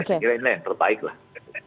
saya kira ini yang terbaik lah